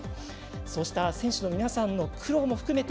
そうした選手の皆さんの苦労も含めて